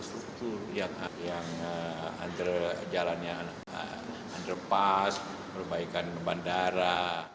struktur yang antara jalannya underpass perbaikan bandara